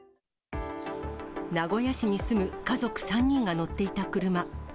名古屋市に住む家族３人が乗っていた車。